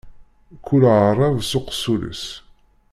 Kull aεrab s uqessul-is.